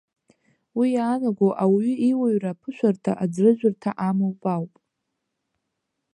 Уи иаанаго ауаҩы иуаҩра аԥышәарҭа, аӡрыжәырҭа имоуп ауп.